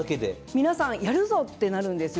皆さんやるぞとなるんですよ。